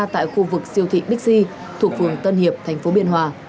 tại khu vực siêu thị bixi thuộc phường tân hiệp thành phố biên hòa